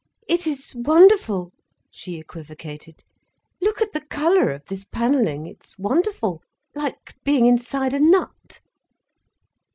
"It is wonderful," she equivocated. "Look at the colour of this panelling—it's wonderful, like being inside a nut."